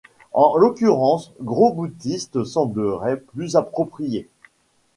En l'occurrence gros-boutiste semblerait plus approprié.